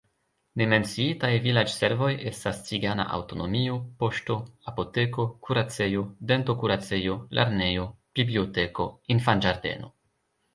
Ne menciitaj vilaĝservoj estas cigana aŭtonomio, poŝto, apoteko, kuracejo, dentokuracejo, lernejo, biblioteko, infanĝardeno.